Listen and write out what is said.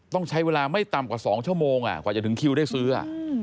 ต้องใช้เวลาไม่ต่ำกว่า๒ชั่วโมงกว่าจะถึงคิวได้ซื้อ